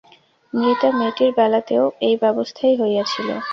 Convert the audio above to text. মৃতা মেয়েটির বেলাতেও এই ব্যবস্থাই হইয়াছিল।